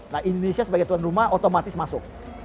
nah indonesia sebagai tuan rumah otomatis masuk